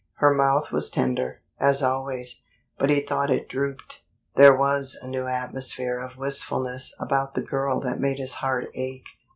Her mouth was tender, as always, but he thought it drooped. There was a new atmosphere of wistfulness about the girl that made his heart ache.